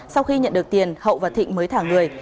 sau khi nhận được tiền hậu và thịnh mới thả người